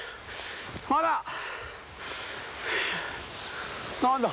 まだ！何だ。